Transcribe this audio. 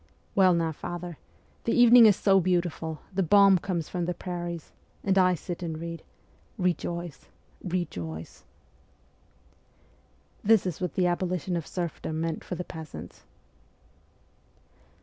Well, now, father, the evening is so beautiful, the balm comes from the prairies, and I sit and read, " Bejoice ! Eejoice !" This is what the abolition of serfdom meant for the peasants.